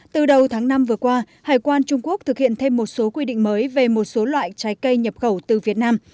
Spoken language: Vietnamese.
từ đầu tháng năm vừa qua hải quan trung quốc thực hiện thêm một số quy định mới về một số loại trái cây nhập khẩu từ việt nam